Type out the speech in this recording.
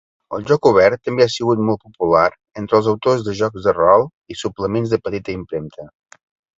El joc obert també ha sigut molt popular entre els autors de jocs de rol i suplements de petita impremta.